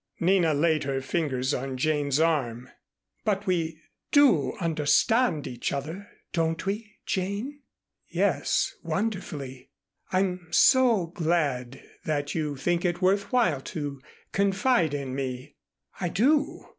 Nina laid her fingers on Jane's arm. "But we do understand each other, don't we, Jane?" "Yes, wonderfully. I'm so glad that you think it worth while to confide in me." "I do.